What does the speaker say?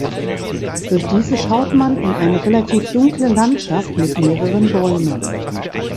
Durch diese schaut man in eine relativ dunkle Landschaft mit mehreren Bäumen.